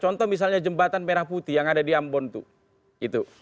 contoh misalnya jembatan merah putih yang ada di ambon itu